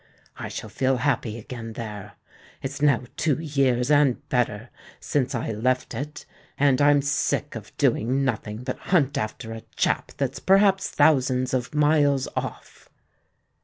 I shall feel happy again there. It's now two years and better since I left it—and I'm sick of doing nothing but hunt after a chap that's perhaps thousands of miles off."